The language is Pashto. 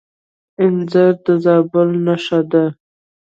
انځر د زابل نښه ده.